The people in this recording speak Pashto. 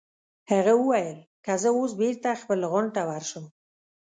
هغه وویل: که زه اوس بېرته خپل غونډ ته ورشم.